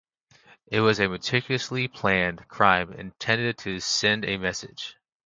It was a meticulously planned crime intended to send a message.